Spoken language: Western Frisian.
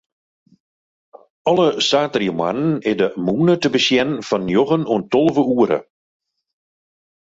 Alle saterdeitemoarnen is de mûne te besjen fan njoggen oant tolve oere.